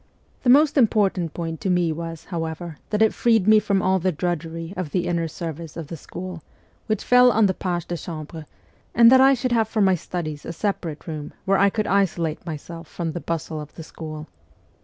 The most important point to me was, however, that it freed me THE CORPS OF PAGES 163 from all the drudgery of the inner service of the school, which fell on the pages de chambre, and that I should have for my studies a separate room where I could isolate myself from the bustle of the school.